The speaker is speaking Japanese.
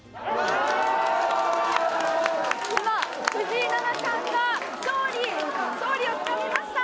今、藤井七冠が勝利、勝利をつかみました。